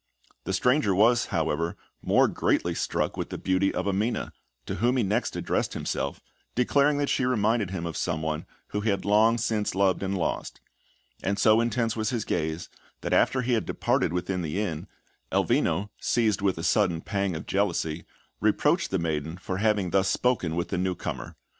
The stranger was, however, more greatly struck with the beauty of Amina, to whom he next addressed himself, declaring that she reminded him of someone whom he had long since loved and lost; and so intense was his gaze, that after he had departed within the inn, Elvino, seized with a sudden pang of jealousy, reproached the maiden for having thus spoken with the newcomer.